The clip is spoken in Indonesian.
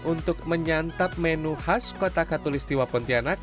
untuk menyantap menu khas kota katulistiwa pontianak